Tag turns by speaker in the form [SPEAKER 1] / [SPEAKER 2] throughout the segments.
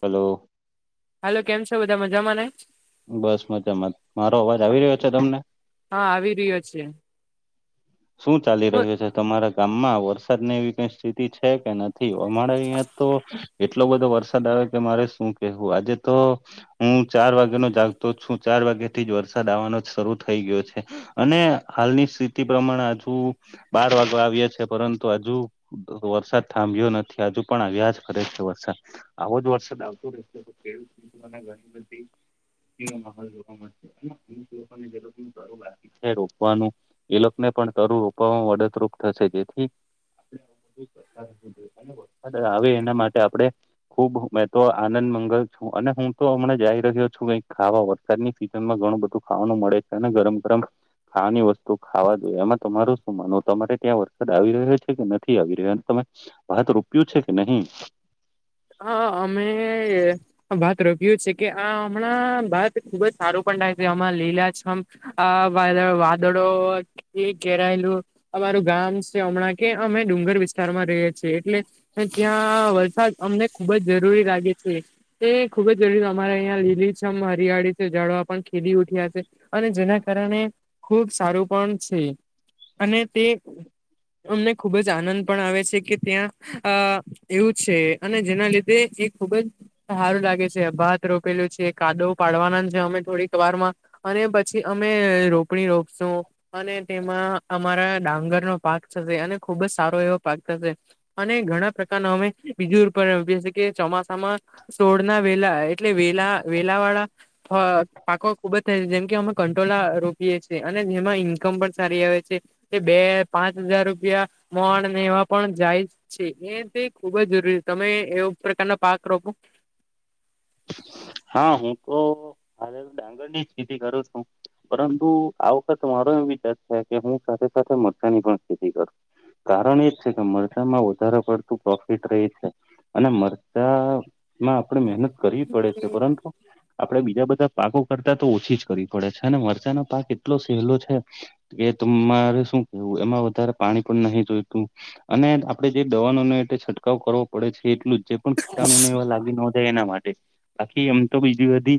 [SPEAKER 1] Hello.
[SPEAKER 2] Hello કેમ છો બધા મજામાં ને.
[SPEAKER 1] બસ મજામાંત મારો અવાજ આવી રહ્યો છે તમને.
[SPEAKER 2] હા આવી રહ્યો છે.
[SPEAKER 1] શું ચાલી
[SPEAKER 2] હ
[SPEAKER 1] રહ્યું છે તમારા ગામમાં વરસાદને એવી કઈ સ્થિતિ છે કે નથી. અમારે અહિયા તો એટલો બધો વરસાદ આવે કે મારે શું કેવું આજે તો. હું ચાર વાગ્યાનો જાગતો છું ચાર વાગ્યા થી જ વરસાદ આવવાનો જ શરૂ થઈ ગયો છે. અને હાલની સ્થિતિ પ્રમાણે હજુ બાર વાગે આવ્યા છે પરંતુ હજુ. વરસાદ થાંભ્યો નથી હજુ પણ આવ્યા જ ફરે છે વરસાદ આવો જ વરસાદ આવતો રહે. કે ગ. જોવા મળને જ. રોકવાનું. એ લોકોને પણ ધરુ રોપવામાં મદદરૂપ થશે જેથી. કરતા રહેવું જોઈએ
[SPEAKER 2] [inaudible]
[SPEAKER 1] અને આવે એના માટે આપડણે. ખુબ મેં તો આનંદ મંગલ છું અને હું તો હમણાં જઈ રહ્યો છું કઈક ખાવાવ. વરસાદની સીઝન માં ઘણું બધું ખાવાનું મળે છે અને ગરમ ગરમ ખાવાની વસ્તુ. તો ખાવા દઈએ એમાં તમારું શું માનવું તમારે ત્યાં વરસાદ આવી રહ્યો છે કે નથી આવી રહ્યો તમે. હવે તો રૂપિું છે કે નહી.
[SPEAKER 2] હા અમે. વત રોપ્યું છે કે આ હમણાં વાત ખુબ જ સારું પણ લાગ છે આમાં લીલા છમ. આ વાદો વાદોડ. એ ઘેરાયેલું અમારું ગામ છે હમણાં કે અમે ડુંગર વિસ્તાર માં રહીએ છીએ એટલે. ત્યાં વરસાદ અમને ખુબ જ જરૂરી લાગે છે. એ ખુબ જરૂરી અમારે અહિયાં લીલી છેમ હરિયાળી છે જાડવા પણ ખીલી ઉઠ્યા છે. અને જેના કારણે ખુબ સારું પણ છે અને તે. અમને ખુબ જ આનંદ પણ આવે છે કે ત્યાં અ એવું છે. અને જેના લીધે એ ખુબ જ. સારું લાગે છે ભાત રોપેલું છે કાદો પાડવાના છે અમે થોડીક વાર માં. અને પછી અમે રોપણી રોપશું. અને તેમાં અમારા ડાંગરનો પાક થશે અને ખુબ જ સારો એવો પાક થશે. અને ઘણા પ્રકારના અમે. બીજું ઉપર કે ચોમાસામાં સોળના વેલા એટલે વેલા વેલા વાળા. પાકો ખુબ જ થાય છે જેમકે અમે કંટોલા રોપીએ છીએ અને એમાં ઈન્કમ પણ સારી આવે છે. તે બે પાંચ હજાર રૂપિયા મોણ ને એવા પણ જાય છે એ તે ખુબજ. તમે એવ પ્રકારના પાક રોપો.
[SPEAKER 1] હા હું તો હ ડાંગર ની જ ખેતી કરું છું. પરંતુ આ વખત મારો એ વિચાર છે કે હું સાથે સાથે મરચાની પણ સ્થિતિ કરું. કારણ એજ છે કે મરચામાં વધારે પડતું પ્રોફિટ રહે છે. અને મરચા માં આપણેે મહેનત કરવી પડે છે પરંતુ. આપડણે બીજા બધા પાકો કરતા તો ઓછી જ કરવી પડે છે અને મરચાનો પાક એટલો સહેલો છે. એ તમારે શું કેવું એમાં વધારે પાણી પણ નહી જોયતું. અને આપડે જે દવાનો ન એ છંટકાવ કરવો પડે છે એટલું જ. જે પણ કીટણુને એવા લાગી ન જાય એના માટે બાકીી એમ તો બીજી બધી.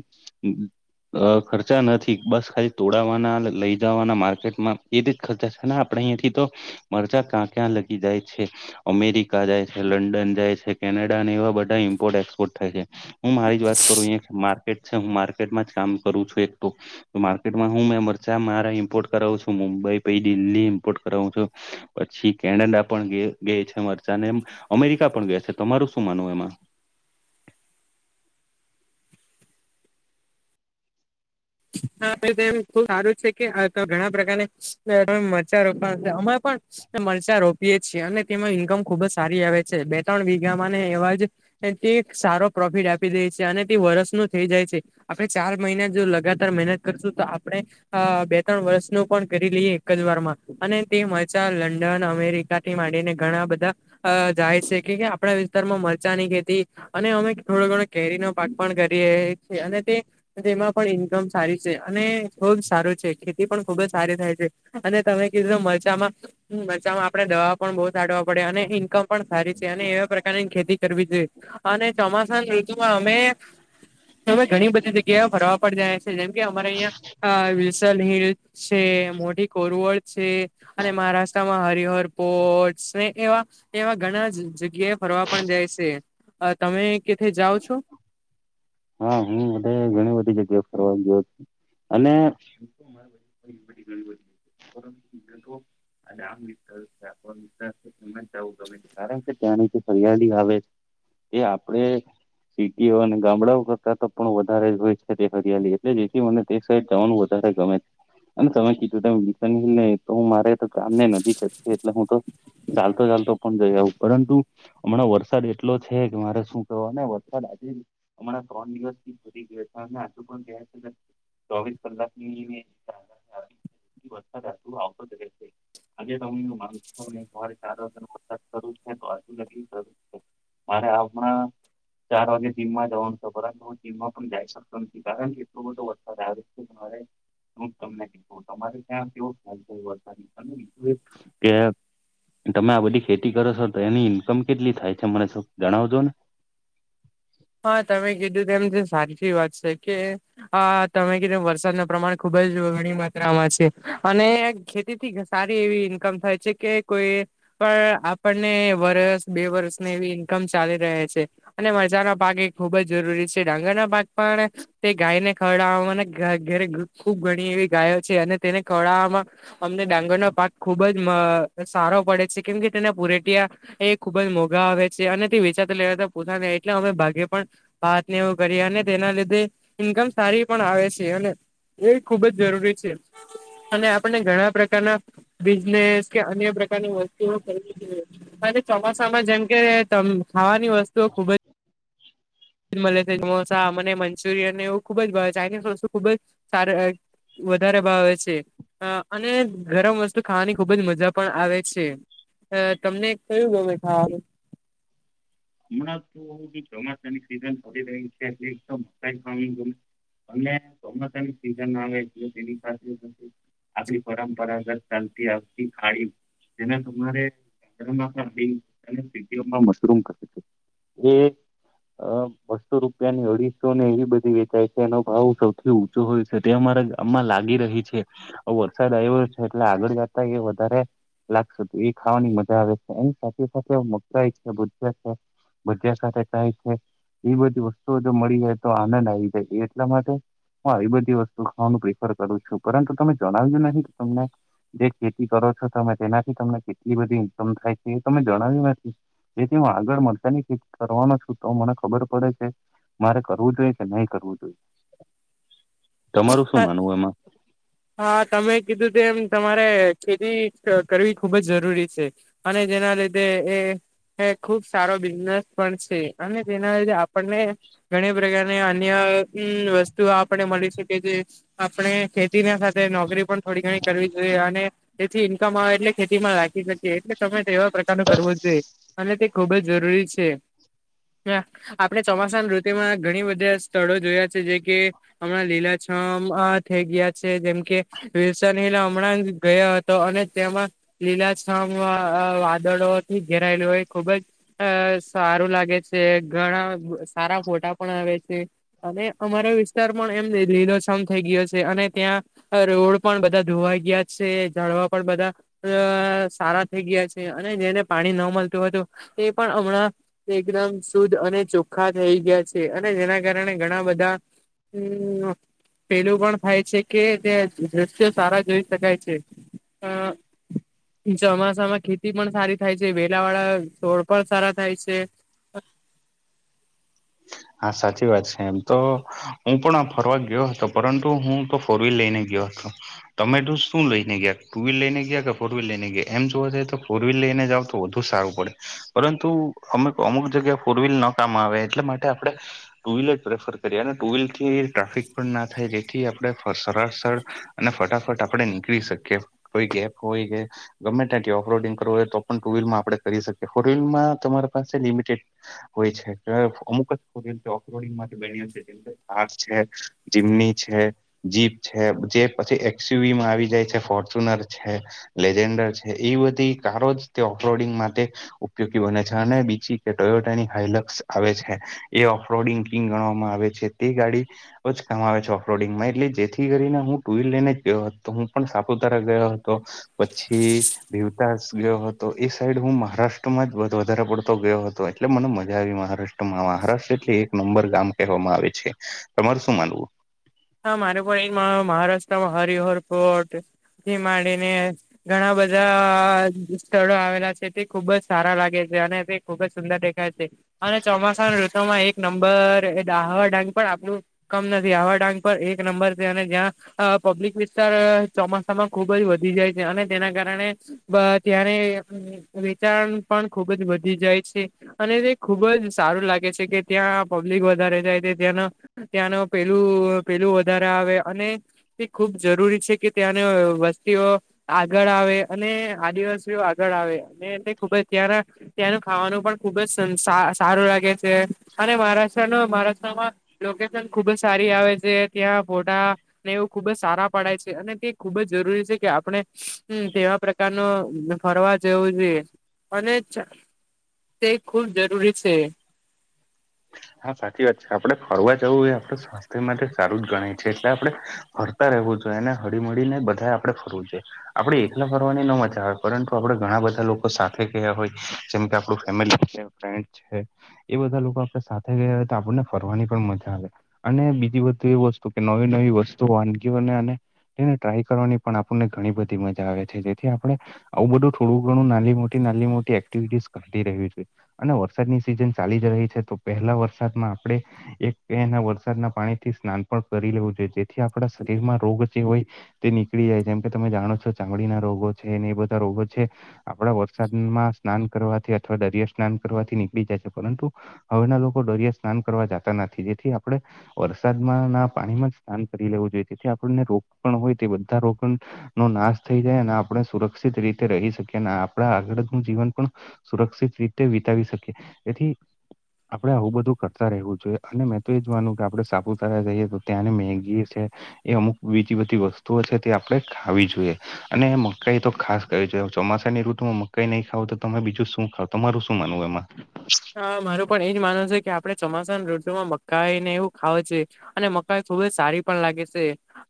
[SPEAKER 1] અ ખર્ચા નથી બસ ખાલી તોડાવવાના લઈ જવાના માર્કેટમાં એ ખચા છે ને આપણેે અહીંથી તો મરજા ક્યાં ક્યાં લગી જાય છે અમેરિકા જાય છે લંડન જાય છે કેનેડા અનેને એવા બધા ઇમ્પોર્ટ એક્સપોર્ટ થાય છે હું મારી જ વાત કરું અહી માર્કેટ છે હું માર્કેટમાં જ કામ કરું છું એક તો માર્કેટમાં હું મે મરચા મારા ઇમ્પોર્ટ કરાવું છું મુંબઈ પ દિલ્હી ઇમ્પોર્ટ કરાવું છું પછી કેનેડા પણ ગય છે મરચાંને એમ અમેરિકા પણ ગયા છે, તમારું શું માનવું એમાં?
[SPEAKER 2] હા આપડે ખુબ સારું છે કે ઘણા પ્રકાર મચ્ચારો પણ અમાં પણ મરચા રોપીયે જીએ અને તેમાં ઈન્કમ ખુબ જ સારી આવે છે બે ત્રણ વીઘા માંને એવાજ તે સારો પ્રોફિટ આપી દે છે અને તે વરસનું થઈ જાય છે. આપે ચાર મહિના જો લગા તાર મહેનત કરશું તો આપણે અ બે ત્રણ વર્ષ નું પણ કરી લઈએ એક જ વાર માં. અને તે મજા લંડન, અમેરિકાથી માંડીને ઘણા બધા અ જાય છે કે કે આપણા વિસ્તારમાં મરચાંની ખેતી અને અમે થોડો ઘણો કેરીનો પાક પણ કરીએ છીએ અને તે તેમાં પણ ઇન્કમ સારી છે અને ખુબજ સારું છે ખેતી પણ ખુબ જ સારી થાય છે અને તમે કીધું મરચામાં હમ્મ બચામાં આપડે દવા પણ બહુ છાવા પડે અને ઈન્કમ પણ સારી છે અને એવા પ્રકારની ખેતી કરવી જોઈએ અને ચોમાસા ઋતુમાં અમે અમે ઘણી બધી જગ્યાએ ફરવા પડ જાય છે જેમ કે અમારે અહીંયા આ વિલસલ હિલ છે, મોટી કોરવડ છે અને મહારાષ્ટ્રમાં હરિહર પોર્ટસ ને એવા એવા ઘણા જગ્યાએ ફરવા પણ જાય છે. તમે કેથે જાઓ છો?
[SPEAKER 1] હા હું બધ ઘણી બધી જગ્યા ફરવાની ગયો છુ. અને [inaudible] અને આમ વિચારુ છે આપ [unintelligible] ગમે. કારણ કે ત્યાંની જે ફરિયાળી આવે છે એ આપડે સિટીઓ અને ગામડાઓ કરતા તો પણ વધારે જ હોય છે તે હરિયાલી એટલે જેથી મને તે સાડ જવાનું વધારે ગમે. અને સમજ કીધું તો હું મારે તો કામ ને નથી કર એટલે હું તો ચાલતો ચાલતો પણ જઈ આવ પરંતુ હમણાં વરસાદ એટલો છે કે મારે શું કેને વરસાદ આજ અમણાં ત્રણ દિવસ થી ભરી ગયા છે અને આજુ પણ ગયા ચોવીસ કલાક ની વરસાદ આવતો રહે છે, આજે તો હું સવાર ચાર વાગાનો છે તો આજુ ન છે મારે હમણા ચાર વાગે જીમમાં જવાનું છે બરાબર હુ જીમમાં પણ જઈ શકતો નથી. કારણ કે એટલો બધો વરસાદ આવે કે મારે હું તમને કીધું તમારે ત્યાં કેવો ચાલતો વરસાદ તમને કીધું કે તમે આ બધી ખેતી કરો છો તો એની ઈન્કમ કેટલી થાય છે? મને શું જણાવજો ને.
[SPEAKER 2] હા તમે કીધું તેમ એ છે સાચી વાત છે કે આ તમે કીધે વરસાદ નું પ્રમાણ ખુબ જ વડી માત્રામાં છે અને ખેતીથી સારી એવી ઇન્કમ થાય છે કે કોઈ પણ આપણને વરષ બે વર્સને એવી ઈન્કમ ચાલી રહે છે અને મજા પાક એ ખુબ જ જરૂરી છે, ડાંગરના પાક પણ તે ગાયને ખવડાવવામાં ઘરે ખુબ ઘણી એવી ગાયો છે અને તેને ખવડાવવામાં અમને ડાંગરનો પાક ખુબ જ સારો પડે છે. કેમ કે તેના પુરેટિયા એ ખુબ જ મોંઘા આવે છે અને તે વિચારતા લેવા પોતાને એટલે અમે ભા પણ વાતને એવું કરી અને તેના લીધે ઇન્કમ સારી પણ આવે છે અને એ ખુબ જ જરૂરી છે અને આપણે ઘણા પ્રકારના બિઝનેસ કે અન્ય પ્રકારની વસ્તુઓ ખરી [inaudible] ચોમાસામાં જેમ કે ખાવાની વસ્તુઓ ખુબ જ મલે તે સમોસા મને મંચુરિયન એવું ખુબ જ ભાવે ચાઇનીઝ વસ્તુ ખુબ જ સારું હોય વધારે ભાવે છે. અ અને ગરમ વસ્તુ ખાવાની ખુબ જ મજા પણ આવે છે. તમને કયું ગમે ખાવાનુ?
[SPEAKER 1] હમણાં તો ચોમાસાની સિઝન ચાલી રહી છે. એકદમ કઈ ખાવાનુ ગમે અને ચોમાસાની સિઝન આવે એટલે તેની સાથે આપરી પરંપરાગત ચાલતી આવતી ખારી જેના તમારે [unintelligible] મશરૂમ એ. અ બસ્સો રૂપિયાની અઢીસોને એવી બધી વેચાય છે એનો ભાવ સૌથી ઉ ચો હોય છે, તે અમારા ગામમાં લાગી રહી છે. વરસાદ આયવો છે, એટલે આગળ જતા એ વધારે લાગશે તો એ ખાવાની મજા આવે છે, એની સાથે સાથે મકાઈ અને ભજીયા ભજીયા સાથે ખાય છે, એવી બધી વસ્તુઓ જો મળી જાય તો આનંદ આવી જાય એ એટલા માટે હું આવી બધી વસ્તુ ખાવાનું પ્રિફર કરું છું પરંતુ તમે જણાવ્યું નહી તમને જે ખેતી કરો છો તમે તેનાથી તમને કેટલી બધી ઈન્કમ થાય છે, એ તમે જણાવ્યું નથી એથી હુ આગળ મલ ચાની ખેતી કરવાનો છું તો મને ખબર પડે છે, મારે કરવું જોઈએ કે નઈ કરવું જોઈએ
[SPEAKER 2] [inaudible]
[SPEAKER 1] તમારું શું માનવું એમાં?
[SPEAKER 2] હા, તમે કીધું તેમ તમારે ખેતી કરવી ખૂબ જ જરૂરી છે. અને જેના લીધે એ એ ખૂબ સારો બિઝનેસ પણ છે, અને તેના લીધે આપણને ઘણી પ્રકારની અન્ય વસ્તુ આપણે મળી શકી છે. આપણે ખેતીના સાથે નોકરી પણ થોડી ઘણી કરવી જોઈએ અને તેથી ઇન્કમ આવે એટલે ખેતીમાં રાખી શક કીયે એટલે તમે તેવા પ્રકારનુ કરવો જોઈએ અને તે ખુબ જ જરૂરી છે. હ, આપણે ચોમાસાની ઋતુમાં ઘણી બધી સ્થળો જોયા છે, જે કે હમણાં લીલા છમ અ થઈ ગયા છે, જેમકે વિલસન હિલે હમણાં જ ગયો હતો અને તેમાં લીલા છમ અ વાદળોથી ઘેરાયેલું હોય ખુબ જ અ સારું લાગે છે, ઘણા સારા ફોટા પણ આવે છે. અને અમારો વિસ્તાર પણ એમ લીલો છમ થઈ ગયો છે, અને ત્યાં રોડ પણ બધા ધોવાઈ ગયા છે, ઝાડવા પણ બધા અ સારા થેઈ ગયા છે, અને જેને પાણી ન મલતું હતું તે પણ અમણાં તે એકદમ શુદ્ધ અને ચોખ્ખા થઈ ગયા છે, અને જેના કારણે ઘણા બધા [inaudible] પેલું પણ થાય છે, કે દ્રશ્યો સારા જોઈ શકાય છે. [inaudible] ચોમાસામાં ખેતી પણ સારી થાય છે, વેલાવાળા છોડ પણ સારા થાય છે.
[SPEAKER 1] આ સાચી વાત છે, એમ તો હું પણ ફરવા ગયો હતો પરંતુ હું તો ફોર વીલ લઈને ગયો હતો તમે તો શું લઈને ગયા ટુ વીલ લઈને ગયા કે ફોર વીલ લઈને ગયા એમ જોવા જાય તો ફોર વીલ લઈને જાવ તો વધુ સારું પડે પરંતુ અમુક અમુક જગ્યા ફોર વીલ ન કામ આવે એટલા માટે આપડે ટુ વિલર જ પ્રેફર કરીએ અને ટુ વીલથી ટ્રાફિક પણ ના થાય જેથી આપણે સરાસર અને ફટાફટ આપણે નીકળી શકીએ કોઈ ગેપ હોય કે ગમે ત્યાંથી ઓફલોડિંગ કરવું હોય તો પણ ટુ વિલમાં આપણે કરી શકીએ ફોરવિલમાં તમારી પાસે લિમિટેડ હોય છે, અમુક જ ફોર વીલ [unintelligible] બન્યુ છે. પાક છે, જીમની છે. જીપ છે, જે પછી એક્સ્યુવીમાં આવી જાય છે, ફોર્ચ્યુનર છે. લેજેન્ડર છે, એ બધી કારોજ તે ઓપલોડિંગ માટે ઉપયોગી બને છે, અને બીજી કે ટોયોટાની હાયલાકસ આવે છે. એ ઓફરોડિંગ કિંગ ગણવામાં આવે છે, તે ગાડી ખૂબજ કામ આવે છે, ઓફલોડિંગમાં એટલે જેથી કરીને હું ટુ વીલ લઈને જ ગયો હતો હું પણ સાપુતારા ગયો હતો પછી. દીવતાાસ [unintelligible] ગયો હતો એ સાઈડ હું મહારાષ્ટ્રમાં જ વધારે પડતો ગયો હતો એટલે મને મજા આવી મહારાષ્ટ્ર મહારાષ્ટ્ર એટલે એક નંબર ગામ કહેવામાં આવે છે. તમાર શું માનવું?
[SPEAKER 2] હા મારે પણ મહારાષ્ટ્રમાં હરિહર પોર્ટ એ માંડીને ઘણા બધા સ્થળો આવેલા છે તે ખુબ જ સારા લાગે છે અને તે ખુબ જ સુંદર અને ચોમાસાના ઋતુમાં એક નંબર આહવા ડાંગ પણ આપણું કમ નથી. આહવા ડાંગ પણ એક નંબર છે અને જ્યાં અ પબ્લિક વિસ્તાર ચોમાસામાં ખુબ જ વધી જાય છે અને તેના કારણે બ ત્યારે વેચાણ પણ ખુબ જ વધી જાય છે. અને તે ખુબ જ સારું લાગે છે કે ત્યાં પબ્લિક વધારે જાય તે ત્યાંના ત્યાંનો પેલું પેલું વધારા આવે અને ખૂબ જરૂરી છે કે ત્યાંને વસ્તીઓ આગળ આવે અને આદિવાસીઓ આગળ આવે અને એને ખુબ જ ત્યારા ત્યાંનું ખાવાનું પણ ખુબ જ સન સારું લાગે છે. અને મહારાષ્ટ્ર ન મહારાષ્ટ્રમાં લોકેશન ખુબ જ સારી આવે છે. ત્યાં ફોટા ને એવું ખુબ જ સારા પડાય છે અને તે ખુબ જ જરૂરી છે કે આપણે તેવા પ્ર ન ફરવા જવું જોઈએ અને તે ખૂબ જરૂરી છે.
[SPEAKER 1] હા સાચી વાત છે આપડે ફરવા જવું ઍ આપડે સારું જ ગણાય છે એટલે આપડણે ફરતા રહેવું જોઈએ એને હળી મળળીને બધા આપડે ફરવું જોઈએ. આપડણે એકલા ફરવાની ન મજ આવે પરંતુ આપડણે ઘણા બધા લોકો સાથે ગયા હોય જેમ કે આપણું ફેમિલી જેમ ફ્રેન્ડ છે એ બધા લોકો આપડે સાથે ગયા હોય તો આપણને ફરવાની પણ મજા આવે. અને બીજી બધું એ વસ્તુ કે નવી નવી વસ્તુ વાનગીઓને અને એને ટ્રાય કરવાની પણ આપણને ઘણી બધી મજા આવે છે જેથી આપણે આવું બધું થોડું ઘણું નાની મોટી નાની મોટી એક્ટિવિટીસ કરતી રહેવી જોઈએ. અને વરસાદની સિઝન ચાલી જ રહી છે તો પહેલા વરસાદમાં આપણે એકના વરસાદના પાણી થી સ્નાન પણ કરી લેવું જોઈએ જેથી આપણા શરીરમાં રોગ જે હોય તે નીકળી જાય જેમ કે તમે જાણો છો ચામડીના રોગો છે ને એ બધા રોગો છે. આપડા વરસાદમાં સ્નાન કરવાથી અથવા દરિયા સ્નાન કરવાથી નીકળી જાય છે. પરંતુ હવેના લોકો દરિયા સ્નાન કરવા જાતા નથી જેથી આપણે વરસાદમાં ના પાણીમાં જ સ્નાન કરી લેવું જોઈએ તેથી આપણને રોગ પણ હોય તે બધા રોગ પણ નો નાશ થઈ જાય અને આપણે સુરક્ષિત રીતે રહી શકીએ અને આપણા આગળ નું જીવન પણ સુરક્ષિત રીતે વિતાવી શકે. તેથી આપડે આવું બધું કરતા રહેવું જોઈએ અને મેં તો એ જ વાનું કે આપડે સાપુતારા જઈએ તો ત્યાંને મેગી છે, એ અમુક બીજી બધી વસ્તુઓ છે તે આપણે ખાવી જોઈએ. અને મકાઈ તો ખાસ ક જો ચોમાસાનીઋતુમાં મકાઈ નહી ખાવ તો તમે બીજું શું ખાવ. તમારું શું માનવું એમાં?
[SPEAKER 2] હા માર પણ એજ માનવ છે કે આપડે ચોમાસા ના ઋતુમાં મકાઈને એવું ખાવું જોઈએ. અને મકાઈ ખુબ જ સારી પણ લાગે છે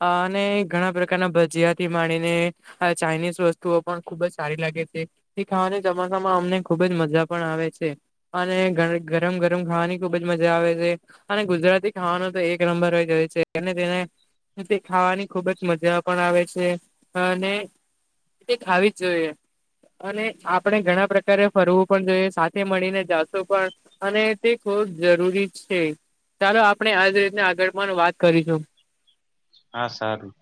[SPEAKER 2] અને ઘણા પ્રકારના ભજીયાથી માણીને આ ચાઇનીઝ વસ્તુઓ પણ ખુબ જ સારી લાગે છે. એ ખાવાના ચોમાસામાં અમને ખુબજ મજા પણ આવે છે. અને ગરમ ગરમ ખાવાની ખુબ જ મજા આવે છે. અને ગુજરાતી ખાવાનો તો એક નંબર હોય જ હોય છે અને તેને તે ખાવાની ખુબ જ મજા પણ આવે છે અને તે ખાવી જ જોઈએ અને આપણે ઘણા પ્રકારે ફરવું પણ જોઈએ સાથે મળીને પણ અને તે ખૂબ જ જરૂરી છે. ચાલો આપણે આજ રીતના આગળ પણ વાત કરીશું.
[SPEAKER 1] હા સારું.